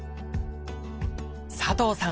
佐藤さん